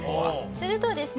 するとですね